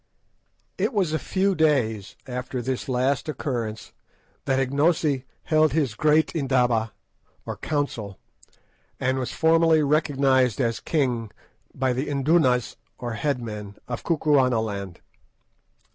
It was a few days after this last occurrence that Ignosi held his great "indaba," or council, and was formally recognised as king by the "indunas," or head men, of Kukuanaland.